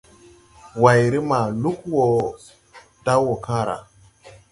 Wayre ma lug wo da woo kããra.